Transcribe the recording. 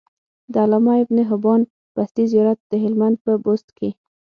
د علامه ابن حبان بستي زيارت د هلمند په بست کی